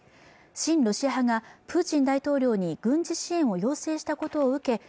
親ロシア派がプーチン大統領に軍事支援を要請したことを受け